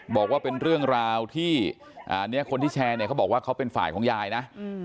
บอกว่าเป็นเรื่องราวที่อันนี้คนที่แชร์เนี่ยเขาบอกว่าเขาเป็นฝ่ายของยายนะ